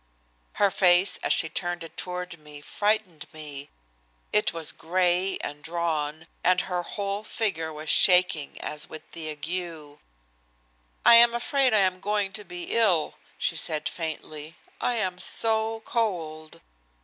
Her face as she turned it toward me frightened me. It was gray and drawn, and her whole figure was shaking as with the ague. "I am afraid I am going to be ill," she said faintly. "I am so cold."